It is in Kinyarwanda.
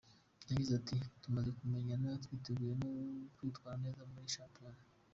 Yagize ati "Tumaze kumenyerana, twiteguye no kwitwara neza muri shampiyona.